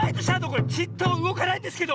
これちっともうごかないんですけど！